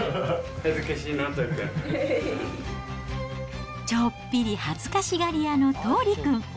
恥ずかしいの、ちょっぴり恥ずかしがり屋の桃琉くん。